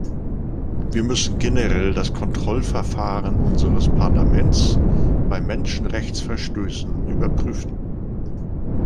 Wir müssen generell das Kontrollverfahren unseres Parlaments bei Menschenrechtsverstößen überprüfen.